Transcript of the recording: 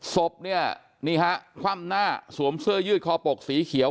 ศพเนี่ยนี่ฮะคว่ำหน้าสวมเสื้อยืดคอปกสีเขียว